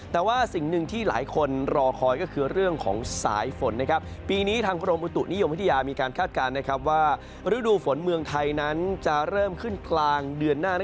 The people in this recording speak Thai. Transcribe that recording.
แต่ว่าสิ่งหนึ่งที่หลายคนรอคอยก็คือเรื่องของสายฝนนะครับปีนี้ทางกรมอุตุนิยมวิทยามีการคาดการณ์นะครับว่าฤดูฝนเมืองไทยนั้นจะเริ่มขึ้นกลางเดือนหน้า